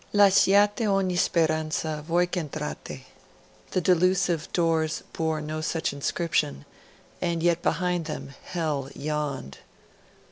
Lasciate ogni speranza, voi ch'entrate: the delusive doors bore no such inscription; and yet behind them Hell yawned.